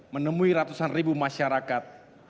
menemui ratusan ribu masyarakat